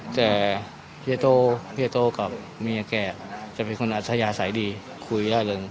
แต่เฮียโตเฮียโตกับเมียแกจะเป็นคนอัธยาศัยดีคุยได้เลย